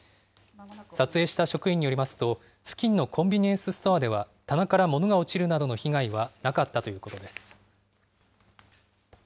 撮影した職員によりますと、付近のコンビニエンスストアでは棚から物が落ちるなどの被害はなかったということです。